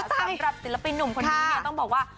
สำหรับศิลปินหนุ่มคนนี้เนี่ยต้องบอกว่า